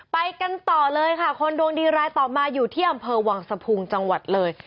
ไปกันต่อเลยค่ะคนดวงดีรายต่อมาอยู่ที่อำเภอวังสะพุงจังหวัดเลย